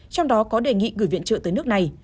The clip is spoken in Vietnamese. trong đó có đề nghị gửi viện trợ tới nước này